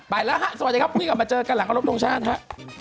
ไปแล้วค่ะสวัสดีครับพี่ก่อนมาเจอกันหลังอรบตรงชาญค่ะ